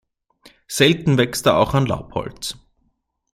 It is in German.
Selten wächst er auch an Laubholz.